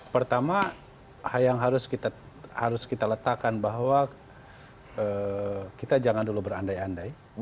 pertama yang harus kita letakkan bahwa kita jangan dulu berandai andai